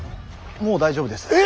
もう大丈夫です。